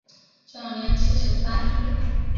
享年七十三岁。